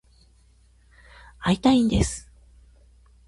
会いたいんです。